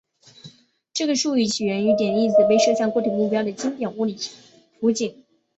这个术语起源于点粒子被射向固体目标的经典物理图景。